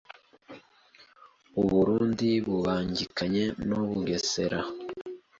uburundi bubangikanye n’u Bugesera,